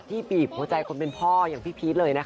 บีบหัวใจคนเป็นพ่ออย่างพี่พีชเลยนะคะ